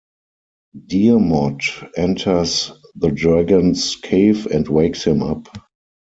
Diermot enters the dragon's cave and wakes him up.